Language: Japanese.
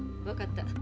わかった。